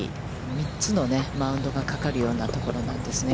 ３つのマウンドがかかるようなところなんですね。